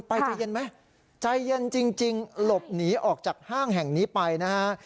ใจเย็นไหมใจเย็นจริงหลบหนีออกจากห้างแห่งนี้ไปนะฮะ